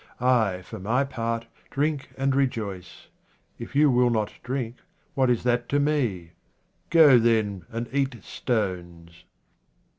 I, for my part, drink and rejoice. If you will not drink, what is that to me ? Go, then, and eat stones.